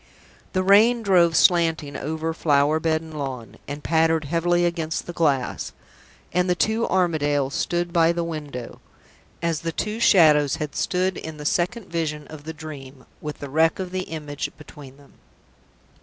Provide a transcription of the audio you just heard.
The rain drove slanting over flower bed and lawn, and pattered heavily against the glass; and the two Armadales stood by the window, as the two Shadows had stood in the Second Vision of the Dream, with the wreck of the image between them.